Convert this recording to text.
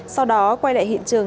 sau đó quay lại hiện trường